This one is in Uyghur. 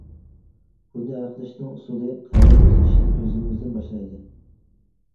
بۇنى ھەل قىلىشنىڭ ئۇسۇلى: ھەممىمىز ئىشنى ئۆزىمىزدىن باشلايلى!